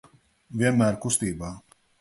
Vienmēr kustībā.